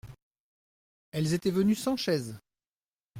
Elles étaient venues sans chaise.